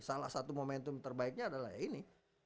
salah satu momentum terbaiknya adalah ya ini